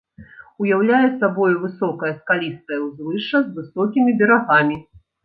Уяўляе сабою высокае скалістае ўзвышша з высокімі берагамі.